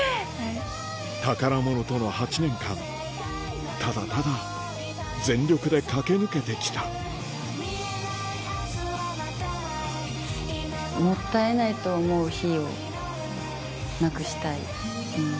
宝者との８年間ただただ全力で駆け抜けて来たもったいないと思う日をなくしたい。